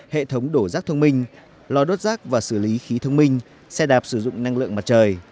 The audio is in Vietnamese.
hệ thống đổ rác thông minh lò đốt rác và xử lý khí thông minh xe đạp sử dụng năng lượng mặt trời